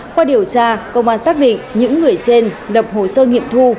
qua điều tra công an xác định những người trên lập hồ sơ nghiệm thu